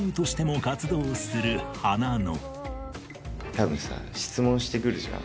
多分さ質問してくるじゃん。